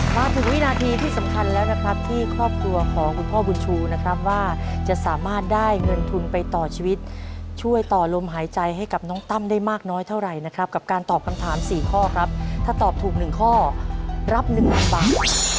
มีความรู้สึกว่าคุณพ่อบุญชูจะได้เงินทุนไปต่อชีวิตช่วยต่อลมหายใจให้กับน้องตั้มได้มากน้อยเท่าไหร่นะครับกับการตอบคำถามสี่ข้อครับถ้าตอบถูกหนึ่งข้อรับหนึ่งลำบัง